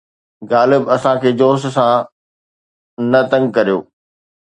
غالب! اسان کي جوش سان نه تنگ ڪريو